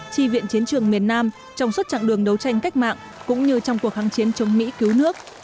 chi viện chiến trường miền nam trong suốt chặng đường đấu tranh cách mạng cũng như trong cuộc kháng chiến chống mỹ cứu nước